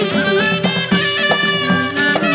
โปรดติดตามต่อไป